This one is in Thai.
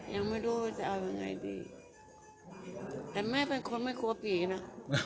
ยังไม่รู้ว่าจะเอายังไงดีแต่แม่เป็นคนไม่กลัวผีนะ